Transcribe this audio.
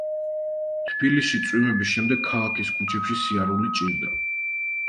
თბილისში წვიმების შემდეგ ქალაქის ქუჩებში სიარული ჭირდა.